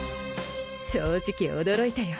正直驚いたよ